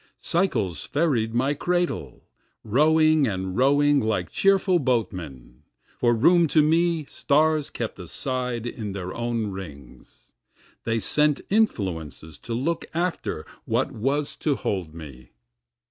Cycles ferried my cradle, rowing and rowing like cheerful boatmen, For room to me stars kept aside in their own rings, They sent influences to look after what was to hold me.